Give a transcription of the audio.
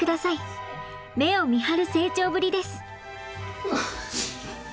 目をみはる成長ぶりです。